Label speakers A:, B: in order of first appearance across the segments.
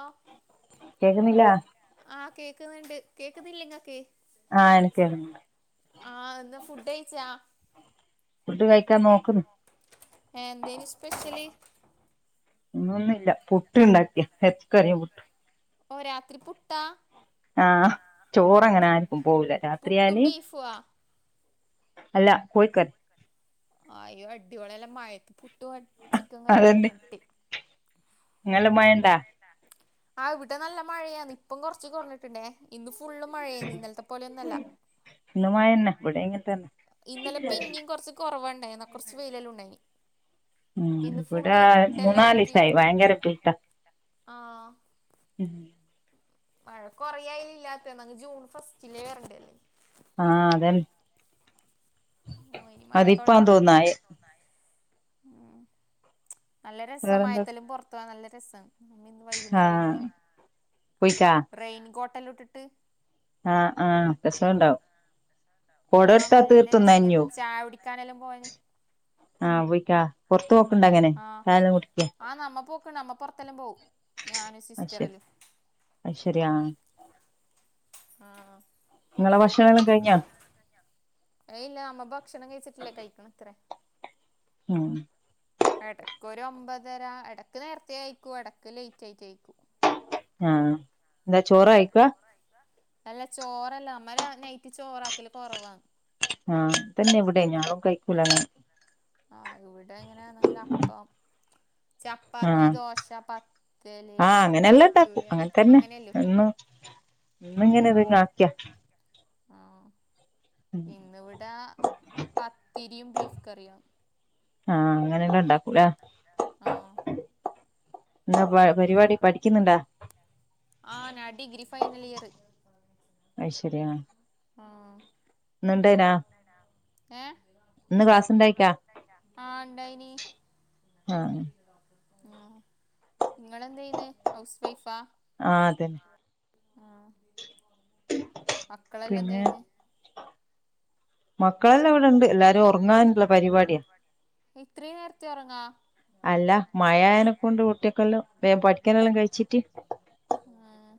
A: ഓ
B: കേൾക്കുന്നില്ലാ-
A: ആഹ് കേക്കുന്നുണ്ട് കേക്കുന്നില്ലെങ്ങക്ക് [inaudible]
B: ആഹ് എനിക്ക് കേക്കുന്നുണ്ട്
A: ആഹ് ന്ന് ഫുഡ്ഡഴിച്ചാ-
B: ഫുഡ് കഴിക്കാൻ നോക്കുന്നു
A: [unintelligible] എന്തേനി സ്പെഷല്-
B: ഇന്നൊന്നുംല്ല പുട്ടുണ്ടാക്കി എർച്ചികറിയും പുട്ടും-
A: ഓ രാത്രി പുട്ടാ-
B: ആഹ് ചോറ്ങ്ങനെ ആർക്കും പോവൂല
A: പുട്ടും
B: രാത്രിയാല്-
A: ബീഫുവാ
B: അല്ല കോയ്ക്കറി-
A: ആയ് അടിപൊളിയല്ലം മഴത്ത് പുട്ട് ചിക്കൻകറിയും അട്ടി-
B: അങ്ങല്ലം മയണ്ടാ-
A: ആഹ് ഇവിടെ നല്ല മഴയാന്ന് ഇപ്പം കൊറച്ച് കുറഞ്ഞിട്ടുണ്ടേ- ഇന്ന് ഫുള്ള് മഴയി ഇന്നലത്തെ പോലയൊന്നല്ല-
B: ഇന്ന് മഴന്നേ ഇവിടെ ഇങ്ങനത്തന്നെ-
A: കൊറവണ്ടായിരുന്നു കോറച്ച് വയിലല്ല ഉണ്ടായിനി-
B: മം
A: ഇന്ന്
B: ഇവിട
A: ഫുള്ള് ഇരുട്ടലായിട്ട്
B: മൂന്നാലിസായി ഭയങ്കര പെയ്ത്താ-
A: ആഹ്
B: ഉം -
A: മഴ കുറയായിലെ ഇല്ലാത്തെ ന്നങ് ജൂൺ ഫസ്റ്റിലേ വരണ്ട അല്ലേ-
B: ആഹ് അതൻ അതിപ്പാ ആഹ് തോന്നായെ-
A: നായി- നല്ല
B: വേറെന്താ
A: രസമായത്തല്ലം പോറത്തവാൻ നല്ല രസ- ഇന്ന് വൈകുന്നേരല്ലം
B: ആഹ്
A: പോയി
B: പോയിക്കാ
A: റെയിൻ കോട്ടല്ലം ഉട്ട്ട്ട്-
B: ആഹ് ആഹ് രസണ്ടാവും കൊട
A: ആഹ്
B: എടുത്താ
A: നല്ല
B: തീർത്തും
A: രസകര
B: നനഞ്ഞോവും
A: ചായകുടി ക്കാനലാം പോയന്-
B: ആഹ് പോയിക്കാ പൊറത്ത് പോക്ണ്ട അങ്ങനെ
A: ആഹ്
B: ചായല്ലം കുടിക്കാൻ-
A: ആഹ് നമ്മപോക്കണം നമ്മ പൊറത്തെല്ലാം പോവും ഞാനും
B: അത് ശരി
A: സിസ്റ്ററെല്ലാം
B: അയ്ശരി ആ
A: ആഹ്
B: നിങ്ങള ഭക്ഷണല്ലാം കഴിഞ്ഞാ
A: ഏയ് ഇല്ല നമ്മ ഭക്ഷണം കഴിച്ചട്ടില്ല കഴിക്കണത്രേ
B: ഉം
A: എടക്കൊരൊമ്പതര എടക്ക് നേര്ത്തെ കയിക്കൂം എടക്ക് ലേറ്റ് ആയിട്ട് കയിക്കും
B: ഞ്ഞാ
A: അങ്ങന അല്ല ചോറല്ലാ നമ്മ നൈറ്റ് ചോറാക്കല് കൊറവാന്ന്
B: ആഹ് തന്നെ ഇവിടെം ഞാളും കയിക്കൂലങ്ങനെ
A: ആഹ് ഇവിടാങ്ങനാ ന്നെങ്കിലും അപ്പം ചപ്പാത്തി
B: ആഹ്
A: ദോശ പത്തല്
B: ആഹ് അങ്ങനെല്ലാം ഇണ്ടാക്കും
A: ഭട്ടുരം
B: അങ്ങനെ തന്നെ
A: അങ്ങനല്ലേ [inaudible]
B: ഇന്ന് ഇങ്ങനെ ഇത് ഇങ്ങ് ആക്കിയ
A: ആഹ് ഇന്നിവിട പത്തിരിയും ബീഫ് കറിയും
B: ആഹ് അങ്ങനക്ക്ണ്ടാ
A: ആഹ്
B: എന്താ പ പരിപാടി പഠിക്കിന്ന്ണ്ടാ
A: ആഹ് നാൻ ഡിഗ്രി ഫൈനലിയറ്
B: അയിശെരി ആഹ്
A: ആഹ്
B: ഇന്ന്ണ്ട്നാ
A: ഏഹ് ഇന്ന്
B: ഇണ്ടായിക്കാ
A: ക്ലാസ്സിണ്ടായിന ആഹ് ഇണ്ടായിനി
B: ആഹ്
A: ആഹ് ഇങ്ങൾ എന്തേയ്ന്ന ഹൗസ് വൈഫാ ആഹ് ആഹ് മക്കളെല്ലാം
B: പിന്നെ
A: എന്തെയ്യ്ണ്
B: മക്കളെല്ലാം ഇവിടിണ്ട് എല്ലാരും ഒറങ്ങാനൊള്ള പരിപാടിയാ
A: ഇത്രയും നേരത്തെ ഒറങ്ങാ
B: അല്ല മഴയായനെക്കൊണ്ട് കുട്ടിയക്കല്ലം വേഗം പഠിക്കാനെല്ലാം കഴിച്ചിട്ട്
A: ആഹ്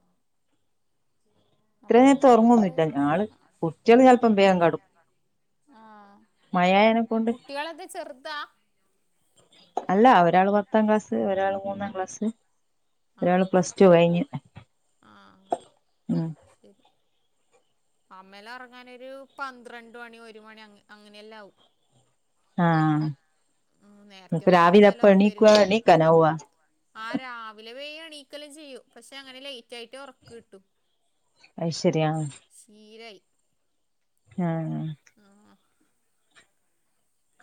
B: ഇത്ര നേരത്തെ
A: അമ്മെന്നും ഇപ്പളേ
B: ഉറങ്ങൊന്നുല്ല
A: എറങ്ങീല്ല
B: ഞാള് കുട്ടികള് ചെലപ്പം വേഗം കെടക്കും
A: ആഹ്
B: മഴയായനെ
A: മഴയായൊണ്ട്
B: കൊണ്ട്
A: കുട്ടികളക്ക ചെർതാ
B: അല്ല ഒരാള് പത്താം ക്ലാസ് ഒരാള് മൂന്നാം ക്ലാസ് ഒരാള്
A: ആഹ്
B: പ്ലസ്റ്റു കയിഞ്ഞ് ഉം
A: ശെരി അമ്മേല ഒറങ്ങാനൊരു പന്ത്രണ്ട് മണി ഒരു മണി അങ്ങനെല്ലാ ആവും
B: ആഹ്
A: ഉം നേരത്തെ
B: ഇപ്പൊ
A: ഒന്നും
B: രാവിലെ
A: എന്തായാലും
B: എപ്പ
A: ഒറക്ക
B: എണീക്കുവാ
A: വരൂല
B: എണീക്കാനാവുവാ
A: ആ രാവിലെ വെഗം എണീക്കെലും ചെയ്യും പക്ഷെ അങ്ങനെ ലേറ്റായിട്ടെ ഒറക്ക കിട്ടും
B: അയിശേരി ആ
A: സീരായി
B: ആഹ്
A: ആഹ്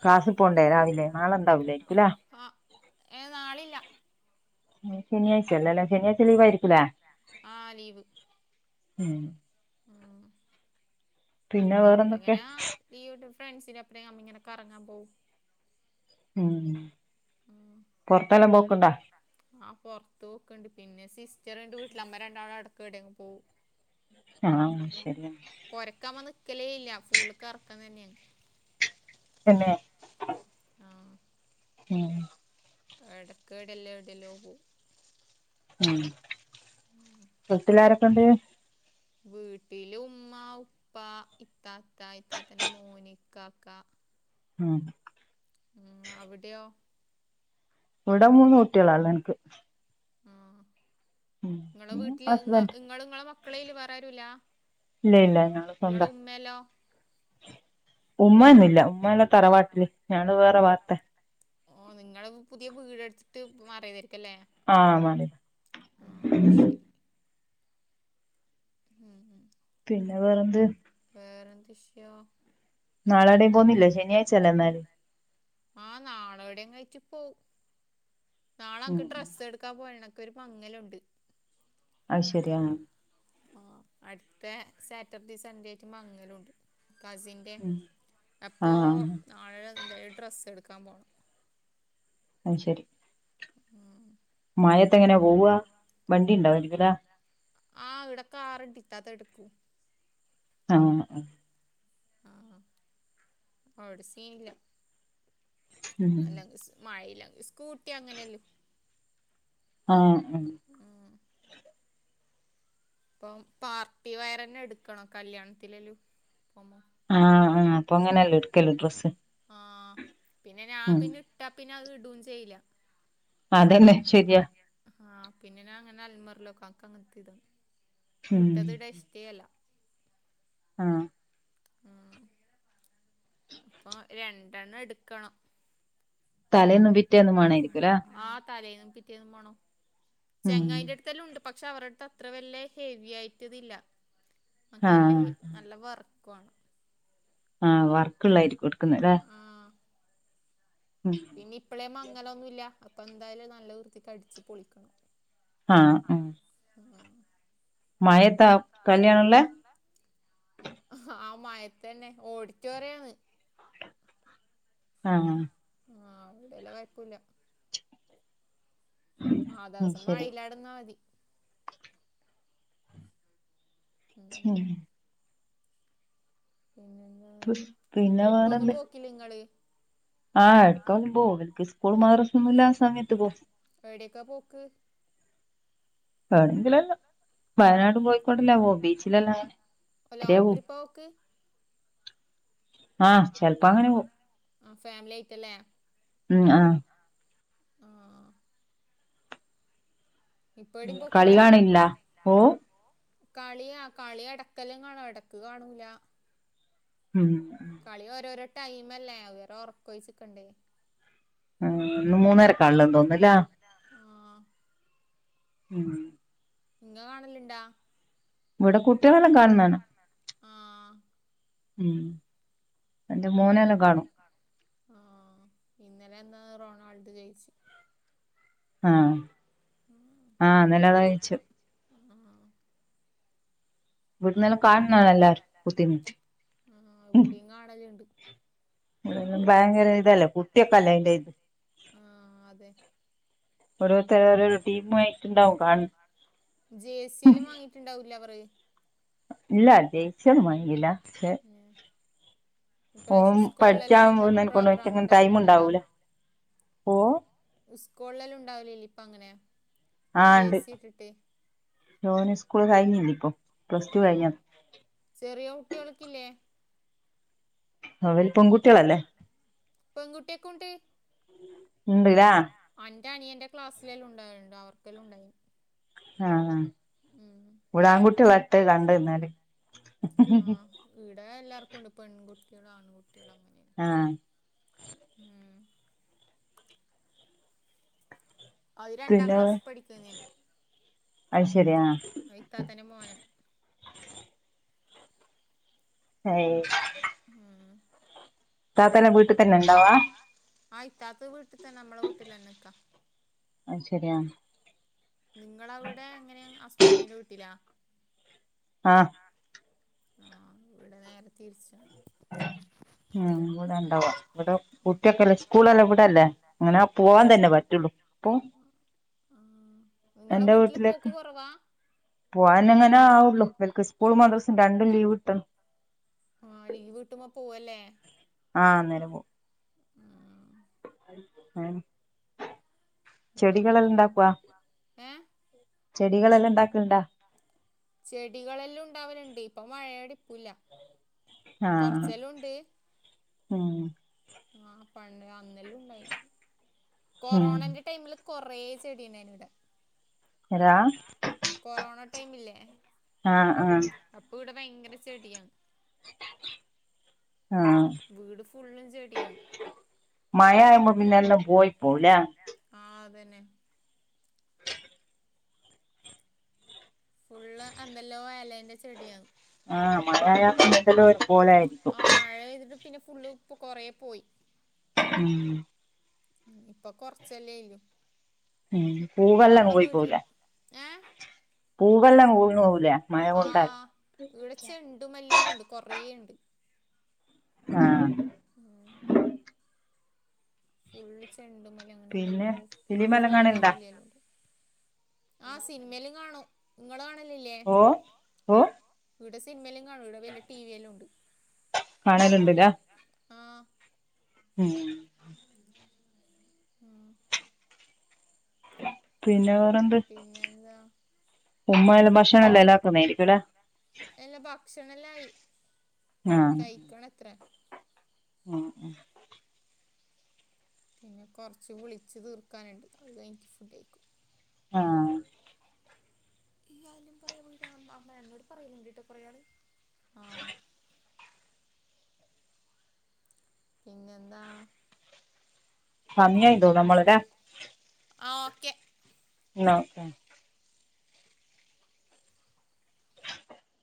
B: ക്ലാസ്സി പോണ്ടേ രാവിലെ നാളെ ഇണ്ടാവുലേ ഇല്ലാ
A: ആ ഏഹ് നാളില്ല
B: ഈ ശെനിയാഴ്ചയല്ലേ ശനിയാഴ്ച ലീവായിരിക്കൂലെ
A: ആഹ് ലീവ്
B: ഉം
A: ഉം
B: പിന്നെ
A: നാളെ
B: വേറെന്തൊക്കെ
A: ഇങ്ങന ലീവിട്ടി ഫ്രണ്ട്സിന്റൊപ്പറം നമ്മ ഇങ്ങന കറങ്ങാൻ പോവും
B: ഉം
A: ഉം
B: പൊറത്തെല്ലാം
A: പൊറത്തെല്ലാ
B: പോക്കുണ്ടാ
A: പോവുന്നുണ്ടാ ആഹ് പൊറത്ത് പോക്കിണ്ട് പിന്നെ സിസ്റ്ററിണ്ട് വീട്ടില് നമ്മ രണ്ടാളടക്കം എവിടെങ് പോവും [inaudible]
B: ആഹ ശരിയ
A: പൊരക്കാമ് നിൽക്കലേ ഇല്ല ഫുള് കറക്കം തന്നെയാണ്
B: [unintelligible]
A: ആഹ്
B: ഉം
A: ഇടയ്ക്കടെല്ലാം എവിടെലോ പോ
B: ഉം വീട്ടിലാരൊക്കെ ഉണ്ട്
A: വീട്ടില ഉമ്മ ഉപ്പ ഇത്താത്ത ഇത്താത്തന്റെ മോനി ഇക്കാക്ക
B: ഉം
A: ഉം അവിടെയോ
B: ഇവിടെ മൂന്ന് കുട്ടാള ഇള്ള എനിക്ക്
A: ആഹ്
B: ഉം
A: ഇങ്ങളെ
B: പിന്നെ
A: വീട്ടില്ങ് ഇങ്ങ
B: ഹസ്ബൻഡ്
A: ഇങ്ങളെ മക്കളയില് വേറെ ആരുല്ല
B: ഇല്ല ഇല്ല ഞളെ സ്വന്തം
A: മലോ
B: ഉമാന്നില്ല ഉമ്മല്ല തറവാട്ടില് ഞാള് വേറെ പാർത്ത
A: ഓ നിങ്ങ പുതിയ വീട്ടുത്തിട്ട് മറിയതായിരിക്കല്ലേ
B: ആഹ മാ
A: ശരി ഉം ഉം
B: പിന്നെ വേറെന്ത്
A: വേറെന്ത്ഷ്യോ
B: നാളാടേയും പോകുന്നില്ല ശനിയാഴ്ച അല്ല എന്നാല്
A: ആഹ് നാളെോവിടെയും കഴിച്ചി പോവും
B: ഉം
A: നാളനിക്ക് ഡ്രസ്സ് എടുക്കാൻ പോയണൊക്കെ ഒരു മങ്ങലുണ്ട്
B: അയ് ശരിയ
A: ആഹ് അടുത്ത സാറ്റർഡേ സൺഡേ ആയിട്ട് മങ്ങലുണ്ട് കസിൻ അല്ലേ
B: ഉം
A: അപ്പോൾ
B: ആഹ്
A: നാളെ എന്തായാലും ഡ്രസ്സ് എടുക്കാൻ പോകണം
B: ആഹ് ശരി
A: ഉം ഉം
B: മായത്തെ എങ്ങനെ പോവ വണ്ടി ഉണ്ടാവായിരിക്കില്ല
A: ആഹ് ഇവിടെ കാറണ്ട് ഇത്താത്ത എടുക്കും
B: ആഹ
A: ആഹ അവടെ സീൻ ഇല്ല
B: ഉം
A: അല്ലാംങ്ക മഴയില സ്കൂട്ടി അങ്ങനെയല്ലോ
B: ആഹ്‌ ഉം
A: ഉം. പ്പം പാർട്ടി വെയറന്നെ എടുക്കണം കല്യാണത്തിലെല്ലും പോവുമ്പം
B: ആഹ് ആഹ്‌ പ്പങ്ങനെല്ലേട്ക്കൽ ഡ്രസ്സ്
A: ആഹ്‌ പിന്നെ
B: ഉം
A: ഞാപിന്നെ ഇട്ടാ പിന്നെ അഹ്‌ ഇടൊന്നും ചെയ്യൂല
B: അതന്നെ ശരിയാ
A: ആഹ് പിന്നെ ഞങ്ങനെ അൽമാരി വെക്കും അങ്ങൻത്തതാണ്
B: ഉം
A: ഇട്ടത് ഇടാ ഇഷ്ടേ അല്ല
B: ആഹ്‌
A: ആഹ്‌ ഇപ്പം രണ്ടെണ്ണം എട്ക്കണം
B: തലേന്നും പിറ്റേന്നും വേണായിരിക്കുംല്ലേ
A: ആഹ് തലേന്നും പിറ്റേന്നുംമാണം
B: ഉം
A: ചെങ്ങായിന്റെ തല്ലോംണ്ട് പക്ഷെ അവര്ടെട്ത്തല്ലോം അത്ര വല്ല ഹെവി ആയിറ്റതില്ല അന്ക് നല്ല
B: ആഹ്
A: ഹെവി നല്ല വർക്ക് വാണം
B: ആഹ്‌ വർക്ക്ള്ളായിരിക്കും എടുക്ക്ന്നല്ലേ?
A: ആ
B: ഉം
A: ഇനി ഇപ്പളോന്നും മങ്ങലൊന്നുല്ല അപ്പൊ എന്തായാലും നല്ല വൃത്തിക്ക് അടിച്ച് പൊളിക്കണം
B: ആഹ് ഉം
A: ആഹ്‌ ഉം
B: മഴയത്താ
A: മയത്താ
B: കല്യാണള്ളേ
A: കല്ല്യാണള്ളേ ആഹ്‌ മയത്തന്നെ ഓഡിറ്റോറിയാന്ന്
B: ആഹ്‌
A: ആഹ് അവിടെല്ലാം കൊയ്പ്പല്ല ആ
B: ഉം
A: ദിവസം
B: ശരി
A: മഴയിലാടുന്നാതി ഉം ഉം പിന്നെന്താ
B: തുഷ് പിന്നെ വേറെന്ത ആഹ് എടുക്കവാല് പോവും സ്കൂൾ മാദ്രസന്നുല്ലാത്ത സമയത്ത് പോവു
A: എടേക്കാ പോക്ക്
B: വേണങ്കിലല്ലാം വയനാട് കോയിക്കൊടല്ലാംവോവും ബീച്ചിലല്ലാം അങ്ങനേ
A: ലോങ് ട്രിപ്പഒക്ക്
B: ആഹ്‌ ചെൽപ്പ അങ്ങനെ പോവു
A: ആഹ് ഫാമിലി ആയിറ്റല്ലേ
B: ഉം ആഹ്
A: ആഹ്‌ ഇപ്പടിം
B: കളി
A: പോക്കില്ല
B: കാണില്ല പോവും
A: കാളിയാ കാളിഎടക്കെല്ലാം കാണും എടക്ക് കാണൂല
B: ഉം
A: കളി ഓരോരോ ടൈം അല്ലേ അത്‌വെറെ ഉർക്കോയ്‌ച്ച്ക്കണ്ടേ
B: ആഹ് ഇന്ന് മൂന്നര്കാള്ളേ തോന്നല്ലേ
A: ആഹ്
B: ഉം
A: നിങ്ങ കാണല്ണ്ടാ?
B: ഇവിടെ കുട്ട്യാളെല്ലാം കൺന്നണ
A: ആ
B: ഉം എന്റെ മോനെല്ലാം കാണും
A: ആഹ്‌ ഇന്നലെന്താന്ന് റൊണാൾഡ് ജയ്‌ച്ച്
B: ആഹ്‌ ആഹ് ഇന്നലെ അതാ ജയ്ച്
A: ആഹ്
B: വീടന്നെല്ലും കാണുന്നല്ലേ കുത്തിര്ന്ന്
A: കാണല്ണ്ട്
B: ഇവടല്ലാം ഭയങ്കരതല്ലേ കുട്ട്യാക്കല്ലേ അയ്‌ന്റെ ഇത്
A: ആഹ്‌ അതെ
B: ഓരോര് ഒര്മായിട്ട്ണ്ടാവും കാണി
A: ജെയ്സെല്ലം വാങ്ങിയിട്ടണ്ടാവൂലെ അവറ്
B: ഇല്ലജെയ്സിയൊന്നും മാങ്ങീലശെ
A: ഏഹ് ഇപ്രാവശ്യാം സ്കൂളിലെല്ലാം
B: പഠിച്ചാൻ പോകുന്നതിനെക്കൊണ്ട്
A: അങ്ങൻത്തെപ്രോഗ്രാം
B: ഓൻക്കങ്ങനെ ടൈം
A: ഇണ്ടാവല്ണ്ടല്ലോ
B: ഉണ്ടാവൂല ഓ
A: ഉസ്കോളിലെല്ലാം ഉണ്ടാവലില്ലേഇപ്പം അങ്ങനെ ജെ
B: ആണ്ട്
A: സി ഇട്ടിട്ട്
B: ഓന്സ്കൂള് കഴിഞ്ഞിണ്ട്പ്പോ പ്ലസ് ടു കഴിഞ്ഞതാ
A: ചെറിയോകുട്ടിയാൾക്കില്ലേ?
B: അവര് പെങ്കുട്ടിയാളല്ലേ?
A: പെൺങ്കുട്ടിയാക്കുണ്ട്.
B: ഇണ്ട്ലെ
A: അന്റെ അനിയന്റെ ക്ലാസിലെല്ലാംഉണ്ടാ അവർക്കെല്ലോംണ്ടായി
B: ആഹ്, ആഹ് ഒരാണ്കുട്ടിള്ളട്ട് രണ്ട്ന്നാല്
A: ഈടെ എല്ലാർക്കുണ്ട് പെണ്ണ്കുട്ടിയാളും ആണ്കുട്ടിയാളുംഅങ്ങനെ
B: ആഹ്
A: ഉം അത്
B: പിന്നെ
A: രണ്ടാംക്ലാസ്സ് പഠിക്കൊന്നേ
B: അത് ശരി ആ
A: ആഹ് ഇത്താത്തന്റെമോനാ
B: ഹെയ്
A: ഉം
B: താത്താന്റെ വീട്ടി തന്നെണ്ടാവാ
A: ആഹ് ഇത്താത്ത വീട്ടിൽതെന്നെ ഞമ്മളെ വീട്ടിൽതെന്നെ നിക്കാ
B: അഹ് ശെരിയാ
A: നിങ്ങളവിടെ എങ്ങനെയാ ഹസ്ബെന്റിന്റെ വീട്ടിലാ
B: ആഹ്
A: ആഹ് ഇവടെ നേരെ തിരിച്ച
B: ഉം ഇവുട്ണ് ണ്ടവ ഇവടെകുട്ടിയൊക്കെല്ലേ സ്കൂളല്ലേ ഇവിടെല്ലേ അങ്ങനെപോവാൻ തെന്നെ പററ്റൊള്ളൂപ്പൊ
A: ആഹ്
B: എന്റെ വീട്ടില് പൂവനങ്ങനെ ആവുള്ളൂ ഇവൽക് സ്കൂളും മദ്രസയും രണ്ടും ലീവ്കിട്ട
A: ആഹ് ലീവ്കിട്ട്മ്പോ പോവല്ലേ?
B: ആഹ് അന്നേരം പോ
A: ഉം
B: ഹാ
A: ഇവിടെ പിന്നെ
B: ചെടികളെല്ലാംണ്ടാക്വോ
A: ഇവിടെന്നെ ഏ
B: ചെടികളെല്ലാം ഇണ്ടാക്ക്ണ്ടാ?
A: ചെടികളെല്ലാം ഉണ്ടാവലുണ്ട് ഇപ്പൊ മഴയടിപ്പൂല്ല.
B: ആഹ് ആഹ് ഹും
A: ആഹ് പണ്ട് അന്നെല്ലും ഉണ്ടായി
B: ഉം
A: കൊറോണന്റെ ടൈമില് കൊറെ ചെടി ഇണ്ടായ്നിവടെ.
B: എടാ
A: കൊറോണ ടൈമില്ലേ
B: ആഹ് ആഹ്
A: അപ്പോ ഇവിടെ ഭയങ്കര ചെടിയാണ്.
B: ആഹ്
A: വീട് ഫുള്ളും ചെടിയാണ്
B: മയാവുമ്പോ പിന്നെല്ലോം പോയിപോവുംലെ.
A: ആഹ് അതെന്നെ. ഫുള്ള് എന്തെല്ലോ എലന്റ ചെടിയാണ്.
B: ആഹ് മയായ എന്തല്ലോം പോലെയരിക്കും.
A: ആ മഴ പെയ്തിട്ട് പിന്നെ ഫുള്ള് ഇപ്പോ കൊറെ പോയി.
B: ഉം
A: ഇപ്പൊ കൊറ്ച്ചല്ലേല്ലും
B: ഉം
A: പിന്ന
B: പൂവെല്ലാം
A: ഞ്മ്മളെ വീട്ടില് ഏഹ്
B: പൂവെല്ലോം വീണ് പോകൂലെ മഴകൊണ്ടാൽ.
A: ഇവടെ ചെണ്ടുമല്ലിയെല്ലും ഉണ്ട് കുറെ ഇണ്ട്.
B: ആഹ്
A: ആഹ് ഫുള്ള് ചെണ്ടുമല്ലി അങ്ങനെ
B: പിന്നെ
A: എന്തെല്ലോ
B: ഫിലിമെല്ലാം
A: ഫ്ലവർ
B: കാണലുണ്ടാ
A: ഇല്ലയ്യ അതോണ്ട് ആഹ് സിനിമേല്ലാം കാണും നിങ്ങള് കാണാനില്ലെ
B: ഓ ഓ
A: ഇവിടെ സിനിമയേല്ലു കാണും ഇവിടെ വല്യ ടിവിയേലും ഉണ്ട്
B: കാണലുണ്ട്ല്ലേ
A: ആഹ്
B: ഉം
A: ആഹ്
B: പിന്നെ വേറെന്ത്
A: പിന്നെന്താ
B: ന്തായാലും ഭക്ഷണം എല്ലാർക്കും മേടികൂലെ
A: എല്ലാ ഭക്ഷണല്ലായി കഴിക്കണം അത്ര
B: ഉം
A: പിന്നെ കുറച്ച് വിളിച്ച് തീർക്കാനുണ്ട് അത് കഴിഞ്ഞ് ഫുഡ് കഴിക്കും
B: ആഹ്
A: ഈ കാര്യം പറയാ വീടെ അമ്മ എന്നോട് പറയായാലോണ്ട് ട്ടോ കൊറേ ആള് ആഹ് പിന്നെന്താ?
B: സമയം ആയുണ്ട് നമ്മള്തെ
A: ആഹ് ഓക്കെ
B: ആഹ് ആഹ്